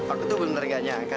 aku tuh bener gak nyangka